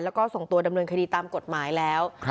แล้วก็ส่งตัวดำเนินคดีตามกฎหมายแล้ว